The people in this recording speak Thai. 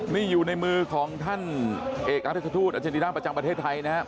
นี่อยู่ในมือของท่านเอกอธิษฐธูรณ์อาจารย์ดินามประจำประเทศไทยนะครับ